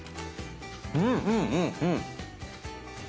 うんうんうんうん！